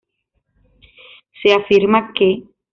Se afirma que